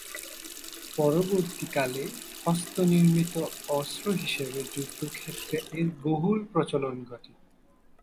পরবর্তীকালে হস্তনির্মিত অস্ত্র হিসেবে যুদ্ধক্ষেত্রে এর বহুল প্রচলন ঘটে।